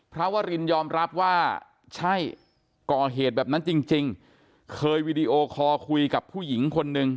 วรินยอมรับว่าใช่ก่อเหตุแบบนั้นจริงเคยวีดีโอคอร์คุยกับผู้หญิงคนนึง